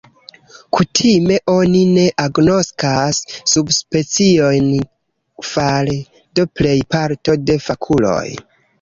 Kutime oni ne agnoskas subspeciojn fare de plej parto de fakuloj.